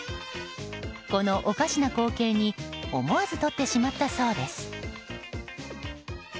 この、おかしな光景に思わず撮ってしまったそうです。